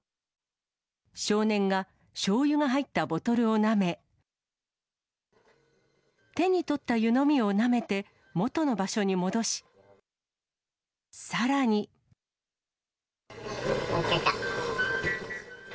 少年がしょうゆが入ったボトルをなめ、手に取った湯飲みをなめて元の場所に戻し、さらに。きたきた。